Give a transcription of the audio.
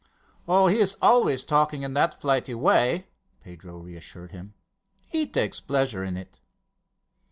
"Oh, he is always talking in that flighty way," Pedro reassured him. "He takes pleasure in it."